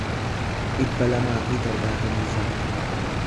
dhibba lamaa fi torbaatamii shan